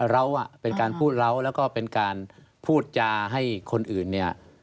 เราเป็นการพูดเราแล้วก็เป็นการพูดจาให้คนอื่นเนี่ย